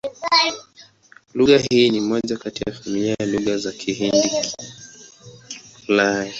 Lugha hii ni moja kati ya familia ya Lugha za Kihindi-Kiulaya.